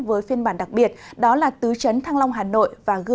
với phiên bản đặc biệt đó là tứ trấn thăng long hà nội